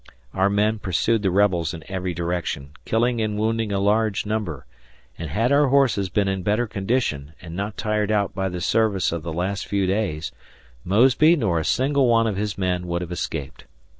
Our men pursued the rebels in every direction, killing and wounding a large number, and had our horses been in better condition and not tired out by the service of the last few days, Mosby nor a single one of his men would have escaped.